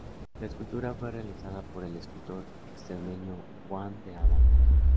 La escultura fue realizada por el escultor extremeño Juan de Ávalos.